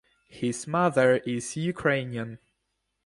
His mother is Ukrainian.